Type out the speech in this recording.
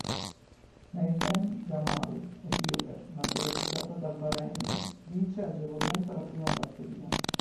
Maryam Jamal, etiope naturalizzata dal Bahrein, vince agevolmente la prima batteria.